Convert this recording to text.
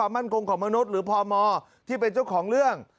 มั่นคงของมนุษย์หรือพมที่เป็นเจ้าของเรื่อง